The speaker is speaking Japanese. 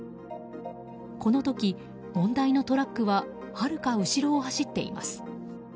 この時、問題のトラックははるか後ろを走っています。